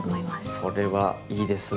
それはいいですね！